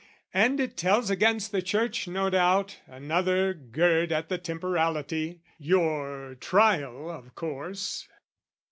And it tells "Against the Church, no doubt, another gird "At the Temporality, your Trial, of course?"